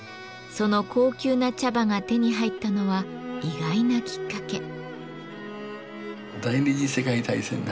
その高級な茶葉が手に入ったのは意外なきっかけ。